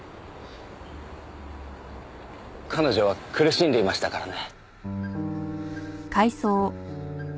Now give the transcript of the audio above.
彼女は苦しんでいましたからね。